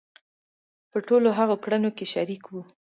په ټولو هغو کړنو کې شریک وو.